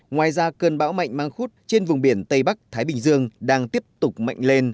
ngoài ra cơn bão mạnh mang khuất trên vùng biển tây bắc thái bình dương đang tiếp tục mạnh lên